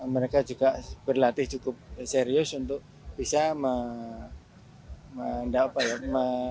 mereka juga berlatih cukup serius untuk bisa mendapatkan